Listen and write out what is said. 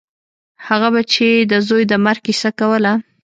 هغه به چې د زوى د مرګ کيسه کوله.